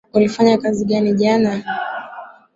Ulifanya kazi gani jana.